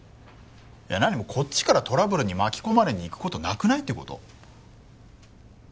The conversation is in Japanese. いや何もこっちからトラブルに巻き込まれに行く事なくない？って事。